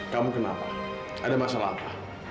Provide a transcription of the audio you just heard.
kamu kenapa ada masalah apa